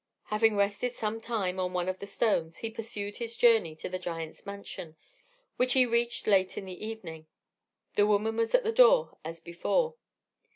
Having rested some time on one of the stones, he pursued his journey to the giant's mansion, which he reached late in the evening: the woman was at the door as before.